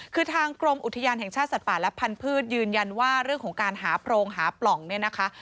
คือทางกรมอุทยานแห่งชาติสัตว์ป่าและพันธุ์ยืนยันว่าเรื่องของการหาโพรงหาปล่องเนี่ยนะคะ